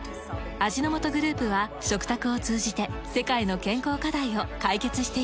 味の素グループは食卓を通じて世界の健康課題を解決していきます。